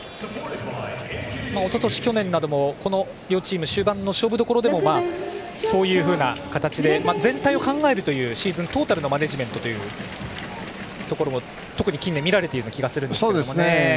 おととし、去年なども両チーム終盤の勝負どころでもそういう形で全体を考えるというシーズントータルのマネージメントも近年見られている気がしますが。